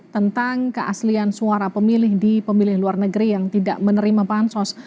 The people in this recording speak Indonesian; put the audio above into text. tentang keaslian suara pemilih di pemilih luar negeri yang tidak menerima bansos